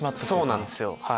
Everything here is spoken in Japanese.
そうなんですよ。